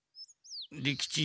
利吉。